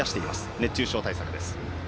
熱中症対策です。